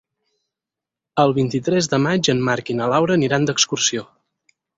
El vint-i-tres de maig en Marc i na Laura aniran d'excursió.